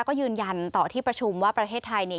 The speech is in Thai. ก็ยืนยันต่อที่ประชุมว่าประเทศไทยเนี่ย